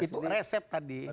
itu resep tadi